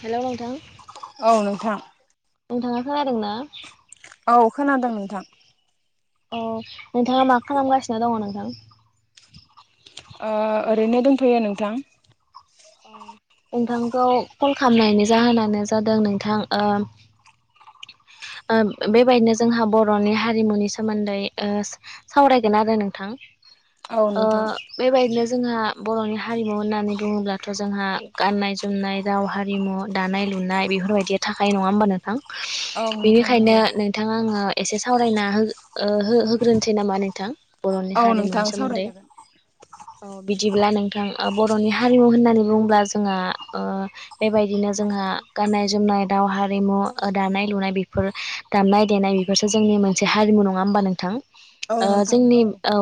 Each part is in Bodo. हेलौ औ नोथां। नोंथाङा खोनादों ना? औ खोनादों नोंथां। औ नोंथाङा मा खालामगासिनो दङ नोंथां। ओ ओरैनो दंफैयो नोंथां। नोंथांखौ कल खालामनायनि जाहोनानो जादों नोंथां ओ। [unintelligible] ओ बेबायदिनो जोंहा बर'नि हारिमुनि सोमोन्दै ओ सावरायगोन आरो नोंथां। औ ओ नोंथां बेबायदिनो जोंहा बर'नि हारिमु होननानै बुङोब्ला। थ' जोंहा गाननाय जोमनाय राव हारिमु दानाय लुनाय बेफोरबायदिया थाखायो नङा होमबा? औ नोंथां बेनिखायनो नंगौ नोंथाङा आङो एसे सावरायना। ओ होग्रो होग्रोनोसै नामा नोंथां बर'नि औ हारिमुनि नोंथां सोमोन्दै। सावरायजागोन औ बिदिब्ला नोंथां ओ बर'नि हारिमु होननानै। होननानै बुंब्ला जोंहा ओ बेबायदिनो जोंहा गान्नाय जोमनाय राव हारिमु ओ दानाय। दानाय लुनाय बेफोर दामनाय देनाय बेफोरसो जोंनि मोनसे हारिमु नङा होमबा नोंथां? औ ओ नोंथां जोंनि नंगौ औ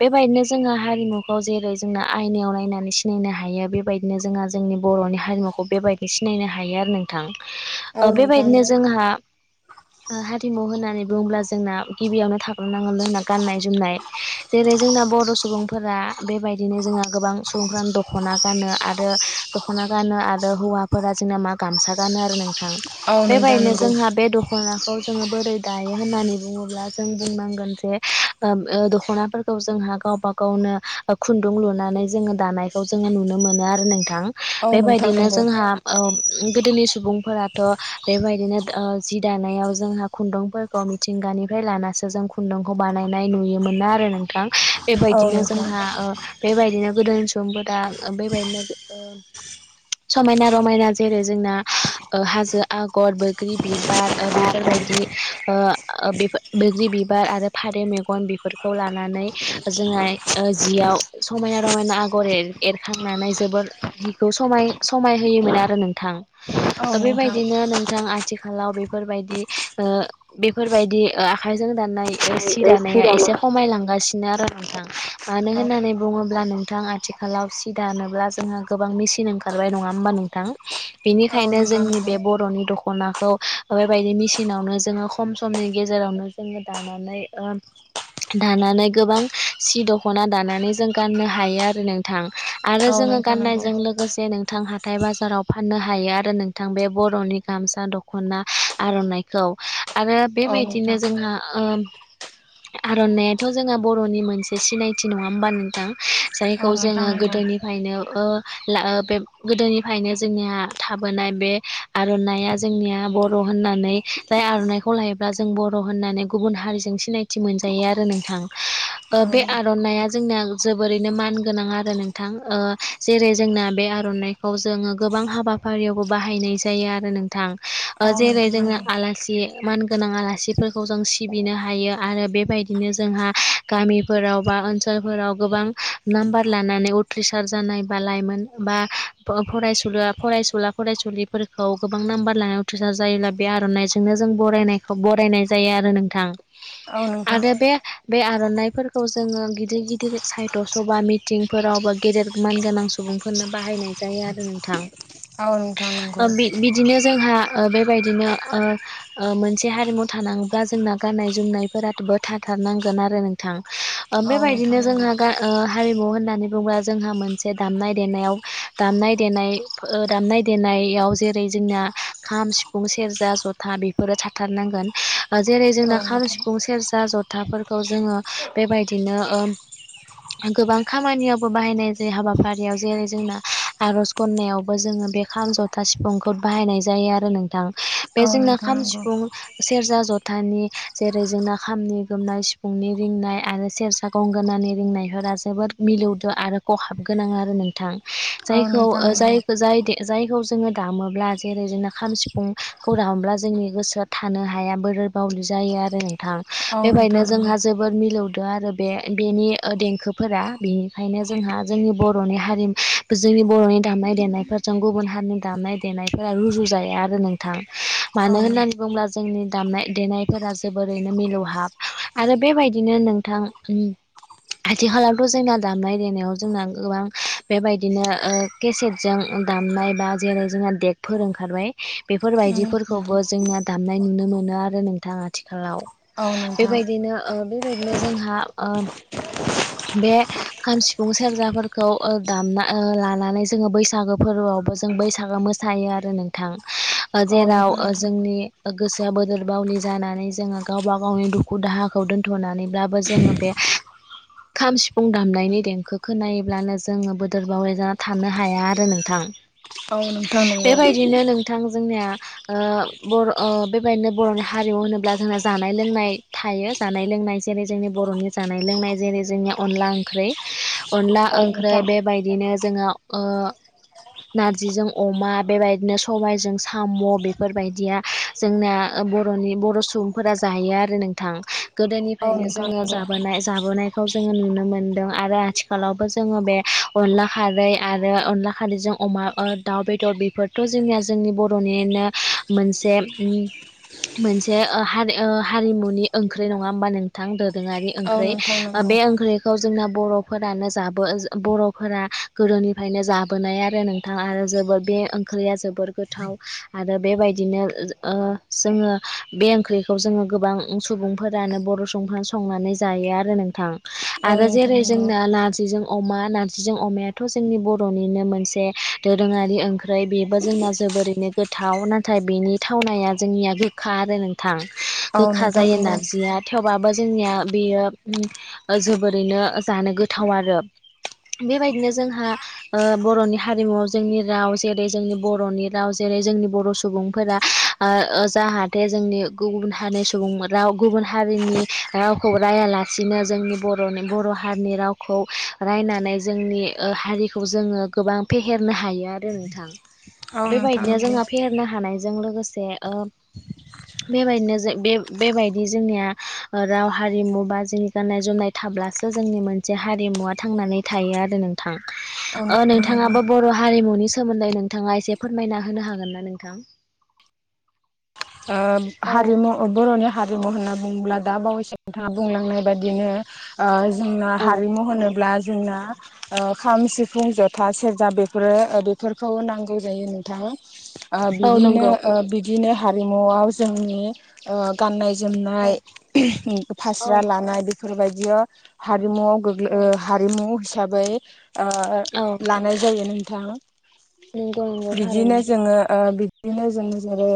बेबायदिनो। जोङो हारिमुखौ जेरै जोंनो आयनायाव नायनानै सिनायनो हायो बे बेबायदिनो जोंहा जोंनि बर'नि हारिमुखौ बेबायदि सिनायनो हायो आरो नोंथां। औ ओ नोंथां बेबायदिनो नंगौ जोंहा ओ हारिमु होननानै। बुङोब्ला जोंना गिबियावनो थाग्रो नांगोनों होनना गाननाय जोमनाय जेरै जोंना बर' सुबुंफोरा। बेबायदिनो जोंहा गोबां सुबुंफ्रानो दख'ना। गानो आरो दख'ना गानो आरो हौवाफोरा जोंना मा गामसा गानो आरो नों थां औ नोंथां बेबायदिनो नंगौ जोंहा बे दख'नाखौ। जोङो बोरै दायो होननानै बुङोब्ला जों बुंनांगोन जे ओ दख'नाफोरखौ जोंहा। गावबा गावनो ओ खुन्दुं लुनानै जोङो दानायखौ जोङो नुनो मोनो। मोनो आरो नोंथां औ नोंथां बेबायदिनो नंगौ जोंहा ओ। गोदोनि सुबुंफोराथ' बेबायदिनो ओ जि दानायाव जोंहा खुन्दुंफोरखौ मिथिंगा। गानिफ्राय लानासो जों खुन्दुंखौ बानायनाय नुयोमोन ना आरो नोंथां। औ बेबायदिनो नोंथां जोंहा ओ बेबायदिनो गोदो सुबुंफोरा ओ बेबायदिनो ओ। समायना रमायना जेरै जोंना ओ हाजो आगर बैग्रि बिबार ओ बेफोरबायदि। ओ बैग्रि बिबार आरो फारौ मेगन बेफोरखौ लानानै। जोंहा जियाव समायना रमायना आगर एर एरखांनानै जबोर हिखौ समाय समाय होयोमोन आरो नोंथां। औ ओ नोंथां बेबायदिनो नोंथां। आथिखालाव बेफोरबायदि ओ बेफोरबायदि ओ आखाइजों दाननाय। औ सि दानाया एसे खमायलांगासिनो आरो नोंथां मानो होननानै बुङोब्ला नोंथां आथिखाल। आथिखालाव सि दानोब्ला जोंहा गोबां मेसिन ओंखारबाय नङा होमबा नोंथां? औ बेनिखायनो नोंथां जोंनि बे नंगौ बर'नि दख' दखनाखौ बेबायदि मेसिनावनो जोङो खम समनि गेजेरावनो जोङो दानानै ओ। दानानै गोबां सि दख'ना दानानै जों गाननो हायो आरो नों थां आरो औ जोङो नोंथां नंगौ गाननायजों लोगोसे नों थां हाथाय बाजाराव फाननो हायो आरो नोंथां बे बर'नि गामसा दख'ना आर'नाइखौ आरो औ बेबायदिनो नोंथां जोंहा ओम। आर'ननायाथ' जोंहा बर'नि मोनसे सिनायथि नङा होमबा नोंथां जाय। खौ औ नोंथां जोङो नंगौ गोदोनिफ्रायनो ओ। ला ओ बे गोदोनिफ्रायनो जोंनिया थाबोनाय बे आर'नाइआ जोंनिया बर'। होननानै जाय आर'नाइखौ लायोब्ला जों बर' होननानै गुबुन हारिजों सिनायथि मोनजायो आरो नोंथां। ओ औ बे नोंथां नंगौ आर'नाया जोंनाया जोबोरैनो मान। गोनां आरो नोंथां ओ जेरै जोंना बे आर'नाइखौ जोङो गोबां हाबाफारियावबो बाहायना नाय जायो आरो नोंथां ओ औ जेरै नोंथां जोङो नंगौ आलासि। मान गोनां आलासिफोरखौ जों सिबिनो हायो आरो बेबायदिनो जोंहा गामिफोराव बा ओनसोलफोराव गोबां नाम्बार लानानै उथ्रिसार जानाय बा लाइमोन बा फरायसु फरायसुला फरायसु सुलिफोरखौ गोबां नाम्बार लानाय उथ्रिसार जायोब्ला बे आर'नाइजोंनो जों बरायनायखौ बरायनाय जायो आरो नोंथां औ नोंथां आरो बे बे आर'नाइफोरखौ जोङो गिदिर गिदिर साइथ सभा मिटिंफोराव बा गेदेर मानगोनां सुबुंफोरनो बाहायनाय जायो आरो नोंथां। औ नोंथां नंगौ ओ बि-बिदिनो जोंहा ओ बेबायदिनो ओ ओ मोनसे हारिमु थानाङोब्ला जोंना गाननाय जोमनायफोराबो थाथार थार नांगोन आरो नोंथां ओ औ नोंथां बेबायदिनो नंगौ जोंहा गा ओ हारिमु होननानै बुङोब्ला जोंहा मोनसे दामनाय देनायाव दामनाय दनाय दामनाय देनाय नायाव जेरै जोंनिया खाम सिफुं सेरजा ज'था बेफोरो थाथारनांगोन जेरै जोंना औ नोंथां औ खाम नोंथां सिफुं सेरजा जथाफोरखौ जोङो बेबायदिनो ओ गोबां खामानियावबो बाहायनाय जायो हाबाफारियाव जेरै जोंना आर'ज गन्नायावबो जोङो बे खाम ज'था सिफुंखौ बाहायनाय जायो आरो नोंथां बेजोंनो खाम नंगौ सिफुं सेरजा ज'था थानि जेरै जोंना खामनि गोमनाय सिफुंनि रिंनाय आरो सेरजा गंगोनानि रिंनाय बेफोरा जोबोद मिलौदो आरो खहाब गोनां आरो नोंथां औ जायखौ नोंथां नंगौ जाय जाय जायखौ जोङो दामोब्ला जेरै जोंना खाम सिफुंखौ दामोब्ला जोंनि गोसोआ थानो हाया बोरै रो बावलि जायो आरो थां औ नोंथां बेबायनो नंगौ जोंहा जोबोद मिलौदो आरो बे बेनि ओ देंखो खोफोरा बेनिखायनो जोंहा जोंनि बर'नि हारिमु जोंनि बर'नि दामनाय देनायफोरजों गुबुन गुबुन हारिनि दामनाय देनायफोरा रुजु जाया आरो नोंथां औ मानो होननानै बुंबा जोंनि दामनाय देनायफोरा जोबोरैनो मिलौहाब आरो बेबायदिनो नोंथां उम [unintelligible] आथिखालावथ' जोंना दामनाय देनायाव जोंना गोबां बेबायदिनो केसेटजों दाम दामनाय बा जेरै जोंना देगफोर ओंखारबाय नोंथां बेफोरबायदिफोरखौबो जोंना दामनाय नुनो मोना आरो आरो नोंथां आथिखालाव उम नोंथां बेबायदिनो ओ बेबायदिनो जोंहा ओ बे खाम सिफुं सेरजाफोरखौ दामना लानानै जोङो बैसागो फोरबोआव बो जों बैसागो मोसायो आरो नोंथां ओ औ जेराव नोंथां ओ जोंनि गोसोआ बोदोर बावलि जानानै जोङो गावबा गावनि दुखु दाहाखौ दोन्थ'नानैब्लाबो जोङो बे [unintelligible] खाम सिफुं दामनायनि देंखो खोनायोब्लानो जोङो बोदोर बावै जा थानो हाया आरो नोंथां औ नोंथां नंगौ बेबायदिनो नोंथां जोंनिया ओ बर' बेबायदिनो बर'नि हारिमु होनोब्ला जोंना जानाय लोंनाय थायो जानाय लोंनाय लोंनाय जेरै जोंनि बर'नि जानाय लोंनाय जेरै जोंनि अनला ओंख्रै अनला औ ओंख्रै नोंथां नंगौ बेबायदिनो जोङो ओ नारजिजों अमा बेबायदिनो सबायजों साम' बेफोरबायदिया जोंना बर'नि बर' सुबुंफोरा जायो आरो नोंथां औ गोदोनिफ्रायनो जोङो नोंथां जाबोनाय जाबोनाय जोङो नुनो मोनदों आरो आथिखालावबो जोङो बे अनला खारै आरो अनला खारैजों अमा दाव बेदर बेफोरथ' जोंनिया जोंनि बर'निनो मोनसे मोनसे हारि हारिमुनि ओंख्रि नङा होमबा नोंथां दोरोङारि औ ओंख्रि नोंथां नंगौ बे ओंख्रिखौ जोंना बर'फोरानो जाबो बर'फोरा गोदोनिफ्रायनो जाबोनाय आरो नोंथां आरो जों बे ओंख्रिया जोबोर गोथाव आरो बेबायदिनो ओंख्रिखौ जोङो गोबां सुबुंफोरानो बर' सुबुंंफ्रानो संनानै जायो आरो नोंथां औ आरो जेरै नोंथां जों नंगौ औ नोंथां नंगौ नारजिजों अमा नारजिजों अमायाथ' जोंनि बर'निनो मोनसे दोरोङारि ओंख्रि बेबो जोंना जोबोरैनो गोथाव नाथाय बेनि थावनाया जोंनिया गोखा आरो नोंथां औ गोखा नोंथां जायो नंगौ नारजिया थेवबाबो जोंनिया बेयो जोबोरैनो जानो गोथाव आरो बेबायदिनो जोंहा ओ बर'नि हारिमुआव जोंनि राव जेरै जोंनि बर'नि राव जेरै जोंनि जोंनि बर' सुबुंफोरा ओ जाहाथे जोंनि गुबुन हारि सुबुं राव गुबुन हारिनि रावखौबो रायालासे रायलायासिनो जोंनि बर'नि बर' हारिनि रावखौ रायनानै जोंनि हारिखौ जोङो गोबां फेहेरनो हायो आरो नोंथां। औ नोंथां बेबायदिनो नंगौ जोंहा फेहेरनो हानाय जों लोगोसे ओ बेबायदिनो जों बे बेबायदि जोंनिया राव हारिमु बा जोंनि गाननाय जोमनाय थाब्लासो जोंनि मोनसे हारिमुवा थांनानै थायो आरो नोंथां औ ओ नोंथां नंगौ नोंथाङाबो बर' हारिमुनि सोमोन्दै नोंथाङा एसे फोरमायना होनो हागोन ना नोंथां [inaudible] ओ औ हारिमु बर'नि हारिमु होननानै बुङोब्ला दा बावैसो नोंथाङा बुंलांनाय बायदिनो ओ जोंना औ हारिमु होनोब्ला जोंना ओ खाम सिफुं ज'था सेरजा बेफोरो बेफोरखौ नांगौ जायो नोंथाङा ओ औ बिदिनो नंगौ बिदिनो हारिमुआव जोंनि ओ गाननाय औ जोमनाय औ फास्रा लानाय बेफोरबायदियाव हारिमुआव औ गोग्लैयो ओ हारिमु हिसाबै ओ औ लानाय जायो नोंथां नंगौ नंगौ बिदिनो थारैनो जोङो ओ बिदिनो जों जेरै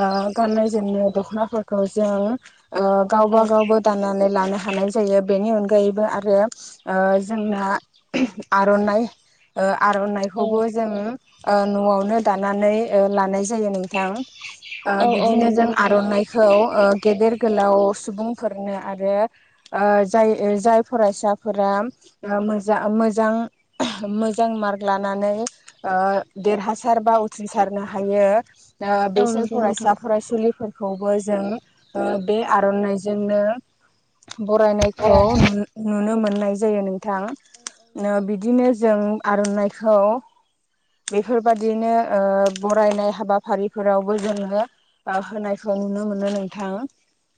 ओ गाननाय जोमनाय दख'नाफोरखौ जों ओ औ गावबा गावबो दाननानै लानो हानाय जायो बेनि अनगायैबो आरो ओ जोंना आर'नाइ ओ औ आर'नाइखौबो जों ओ न'आवनो दानानै ओ लानाय जायो नोंथां। ओ औ औ बिदिनो नंगौ जों नोंथां आर'नाइखौ गेदेर गो गोलाव सुबुंफोरनो आरो ओ जाय जाय फरायसाफोरा [unintelligible] मोजा मोजां मोजां मार्क लानानै ओ देरहासार बा उथ्रिसारनो हायो औ बेसोर नंगौ नोंथां फरायसा फरायसुलिफोरखौबो जों बे औ आर'नाइजोंनो औ बरायनायखौ नंगौ नु-नुनो मोननाय जायो नों नोंथां थां बिदिनो जों थारैनो आर'नाइखौ खौ बेफोरबादिनो बरायनाय हाबाफारिफोरावबो जों होनायखौ नुनो मोनो नोंथां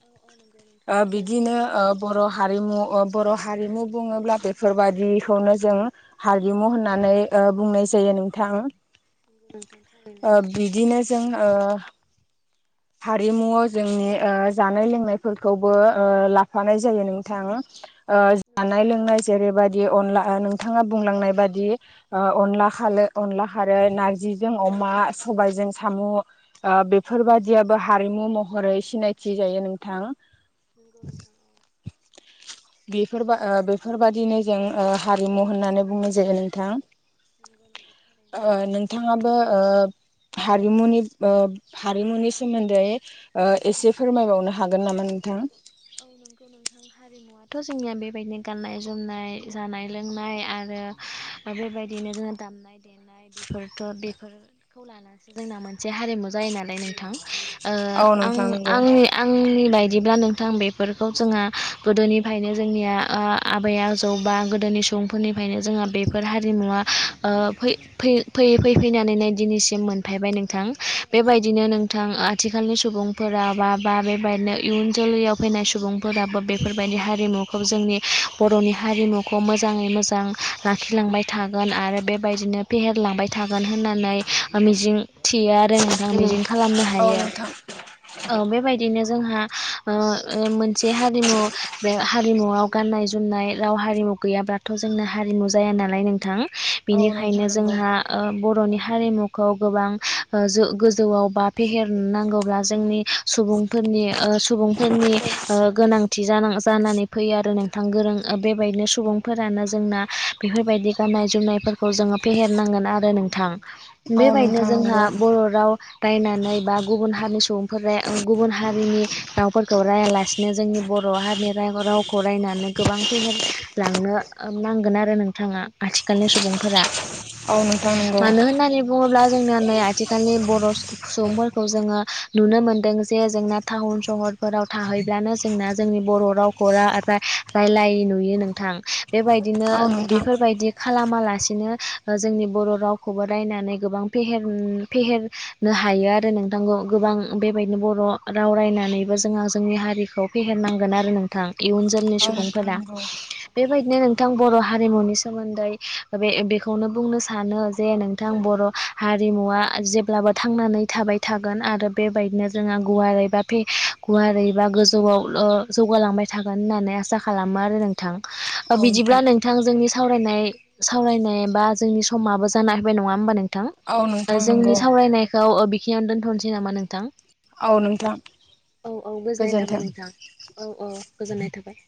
औ औ नंगौ नोंथां ओ बिदिनो ओ बर' हारिमु बर' हारिमु बुङोब्ला बेफोरबायदिखौनो जों हारिमु होननानै बुंनाय जायो नोंथां। थारैनो ओ बिदिनो जों ओ [inaudible] हारिमुआव जोंनि ओ जानाय लोंनायफोरखौबो ओ लाफानाय जायो नोंथां ओ नंगौ जानाय लोंनाय जेरैबायदि अनला नोंथाङा बुंलांनाय बादि ओ अनला खालो अनला खारै नारजिजों अमा सबायाइजों साम' ओ नोंथां थारैनो नंगौ बेफोरबादियाबो नोंथां औ नंगौ नोंथां हारिमु महरै सिनायथि जायो नोंथां नंगौ नोंथाङ औ [inaudible] बेफोरबा ओ बेफोरबादिनो जों ओ हारिमु होननानै बुंनाय जायो नोंथां नंगौ नंगौ थारैनो ओ नोंथां नोंथाङाबो ओ हारिमुनि ओ हारिमुनि सोमोन्दै ओ एसे फोरमायबावनो हागोन नामा नोंथां औ नंगौ नोंथाङ हारिमुवाथ' जोंनिया बेबायदि गाननाय जोमनाय जानाय लोंनाय आरो या बेबायदिनो जोङो दामनाय देनाय बेफोरथ' बेफोरखौ लानानैसो जोंना मोने मोनसे हारिमु जायो नालाय नोंथां ओ औ आं नोंथां नंगौ आंनि आंनि बायदिब्ला नों थां बेफोरखौ जोंहा गोदोनिफ्रायनो ओ जोंनिया ओ आबै आजौ बा गोदोनि सुबुंफोरनिफ्राय ओंखायनो जोंहा बेफोर हारिमुवा ओ फै फै फैयै फैयै फैनानै नै दिनैसिम मोनफैबाय नोंथां बेबायदिनो नोंथां आथिखालनि सुबुंफोरा बा बा बेबायदिनो इयुन जोलैयाव फैनाय सुबुंफोराबो बेफोरबायदि हारिमुखौ जोंनि बर'नि हारिमुखौ मोजाङै मोजां लाखिलांबाय थागोन आरो बेबायदिनो फेहेरलांबाय थागोन होननानै ओ मिजिं थियो आ रो नोंथाङा मिजिं खालामनो औ हायो नोंथां ओ बेबायदिनो जोंहा ओ ओ मोनसे हारिमु बे हा हारिमुआव गाननाय जोमनाय राव हारिमु गैयाब्लाथ' जोंना हारिमु जाया नालाय नोंथाङ। औ नोंथां बिनिखायनो नंगौ जोंहा ओ बर'नि हारिमुखौ गोबां ओ जो गोजौआव बा फेहेर नांगौब्ला जोंनि सुबुंफोर नियो ओ सुबुंफोरनि ओ गोनांथि जानां जानानै फैयो आरो नोंथाङ गोरों ओ बेबायदिनो सुबुंफोरानो जोंना बेफोरबायदि गाननाय जोमनायफोरखौ जोङो फेहेरनांगोन आरो नोंथां। औ बेबायदिनो नोंथां जोंहा नंगौ बर' राव रायनानै बा गुबुन हारिनि सुबुंफोरा ओ गुबुन हारिनि रावफोरखौ रायालासिनो जोंनि बर' हारिनि रायहर रावखौ रायनानै गोबां फेहेरलांनो ओ नां गोन आरो नोंथाङा आथिखालनि सुबुंफ्रा। औ नोंथां। नंगौ मानो होननानै बुङोब्ला जोंनिया नै आथिखालनि बर' सु सुबुंफोरखौ जोङो नुनो मोन्दों जे जोंना टाउन सहर फोराव थाहैब्लानो जोंना जोंनि बर' रावखौ रा रा राय्लाय नुयो नोंथां। बेबायदिनो औ नोंथां बेफोरबायदि खालाम मालासिनो ओ जोंनि बर' रावखौबो रायनानै गोबां फेहेर फेहेरनो हायो। आरो नोंथांखौ गोबां बेबायदिनो बर' राव रायनानै। जोंहा जोंनि हारिखौ फेहेरनांगोन आरो नोंथां। इयुन जोलनि औ नोंथां सुबुंफोरा नंगौ बेबायदिनो नोंथाङ बर' हारिमुनि सोमोन्दै बे बेखौनो बुंनो सानो जे नोंथाङ बर' हारिमुवा जेब्लाबो थांनानै थाबाय थागोन आरो बेबायदिनो जोंहा गुवारैबा फे गुवारै बा गोजौआवल' जौगालांबाय थागोन होननानै आसा खालामो आरो नोंथां। औ बिदिब्ला नोंथां नोंथाङ जोंनि सावरायनाय सावरायनाय बा जोंनि समाबो जाना फैबाय नङा होमबा नों नोंथां? औ नोंथां जोंनि नंगौ सावरायनायखौ बेखिनियावनो दोनथ'नोसै नामा नोंथां? औ नोंथां। औ औ गोजोननाय थाबाय गोजोन्थों नोंथां। औ औ गोजोननाय थाबाय।